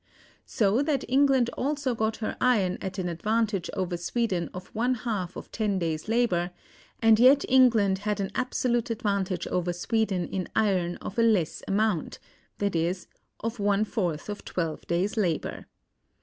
So that England also got her iron at an advantage over Sweden of one half of ten days' labor; and yet England had an absolute advantage over Sweden in iron of a less amount (i.e., of one fourth of twelve days' labor).